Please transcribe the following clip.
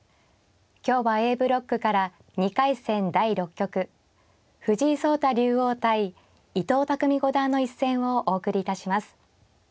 今日はＡブロックから２回戦第６局藤井聡太竜王対伊藤匠五段の一戦をお送りいたします。